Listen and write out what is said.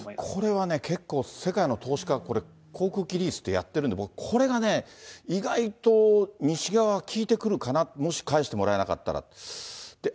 これはね、結構、世界の投資家は航空機リースってやってるの、僕、これがね、意外と西側は効いてくるかなって、もし返してもらえなかったら。